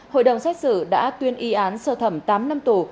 hội đồng xét xử đã tuyên y án sơ thẩm tám năm tù